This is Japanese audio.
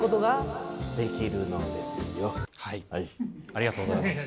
ありがとうございます。